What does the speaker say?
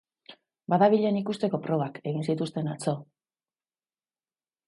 Badabilen ikusteko probak egin zituzten atzo.